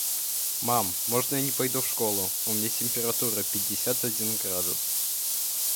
Мам, можно я не пойду в школу? У меня температура, пятьдесят один градус!